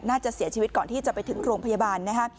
น่าจะเสียชีวิตก่อนที่จะไปถึงโรงพยาบาลนะฮะ